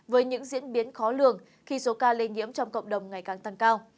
với những diễn biến khó lường khi số ca lây nhiễm trong cộng đồng ngày càng tăng cao